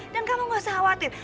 dan kamu gak usah khawatir